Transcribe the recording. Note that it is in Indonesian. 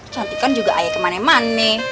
cantik kan juga ayo kemane mane